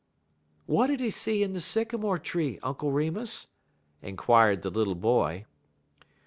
"What did he see in the sycamore tree, Uncle Remus?" inquired the little boy.